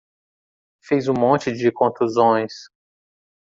Fez um monte de contusões